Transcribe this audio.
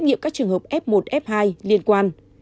nghiệm các trường hợp f một f hai liên quan